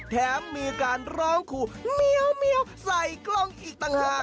แถมมีการร้องขู่เมียวใส่กล้องอีกต่างหาก